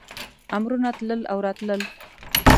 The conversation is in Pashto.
امرونه تلل او راتلل.